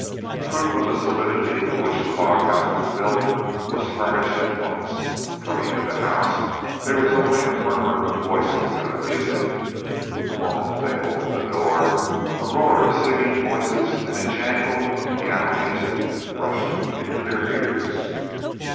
Proof of the solidity with which the log house was built was furnished at once. Coming to the house, there was only a murmur of voices and of music. The moment they opened the door, a roar of singing voices and a jangle of piano music rushed into their ears.